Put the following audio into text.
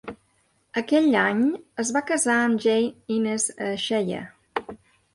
Aquell any es va casar amb Jane Inez Scheyer.